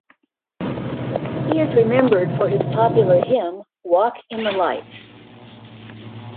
He is remembered for his popular hymn: "Walk in the light".